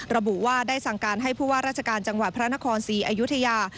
ระบุว่าได้สั่งการให้ผู้ว่าราชการจังหวัดพระนครศรีอยุธยา